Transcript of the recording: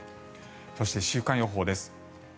そして週間予報です。